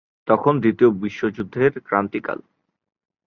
তখন দ্বিতীয় বিশ্বযুদ্ধের ক্রান্তিকাল।